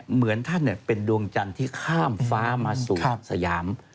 เหมือนท่านเป็นดวงจันทร์ที่ข้ามฟ้ามาสู่สยาม